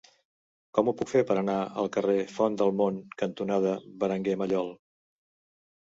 Com ho puc fer per anar al carrer Font del Mont cantonada Berenguer Mallol?